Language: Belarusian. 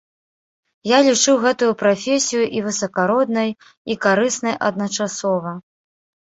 Я лічыў гэтую прафесію і высакароднай, і карыснай адначасова.